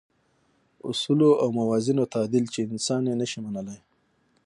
اصولو او موازینو تعدیل چې انسان نه شي منلای.